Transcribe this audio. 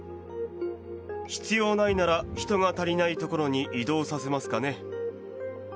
必要ないなら人が足りないところに異動させますかね。